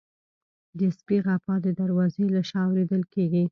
د سپي غپا د دروازې له شا اورېدل کېږي.